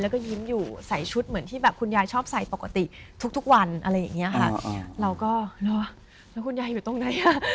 ขอดูซะหน่อยเนอะ